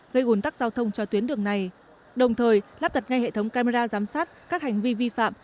gây ủn tắc giao thông cho tuyến đường này đồng thời lắp đặt ngay hệ thống camera giám sát các hành vi vi phạm